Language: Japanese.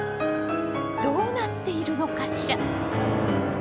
どうなっているのかしら？